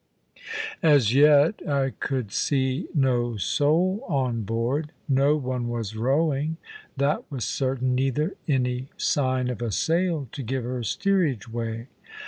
As yet I could see no soul on board. No one was rowing, that was certain, neither any sign of a sail to give her steerage way.